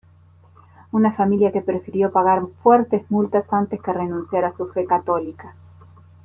Una familia que prefirió pagar fuertes multas antes que renunciar a su fe católica.